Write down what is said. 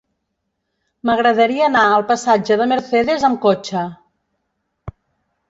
M'agradaria anar al passatge de Mercedes amb cotxe.